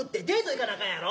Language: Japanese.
行かなあかんやろ？